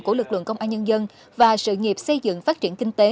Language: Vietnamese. của lực lượng công an nhân dân và sự nghiệp xây dựng phát triển kinh tế